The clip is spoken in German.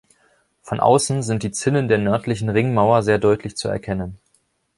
Von außen sind die Zinnen der nördlichen Ringmauer sehr deutlich zu erkennen.